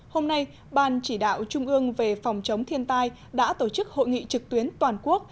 hôm nay ban chỉ đạo trung ương về phòng chống thiên tai đã tổ chức hội nghị trực tuyến toàn quốc